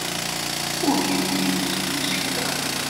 Ur yelli igezzem isekla.